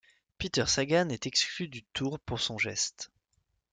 Peter Sagan est exclu du tour pour son geste.